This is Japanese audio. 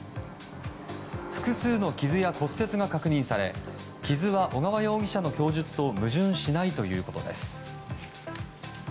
複数の傷や骨折が確認され傷は小川容疑者の供述と矛盾しないということです。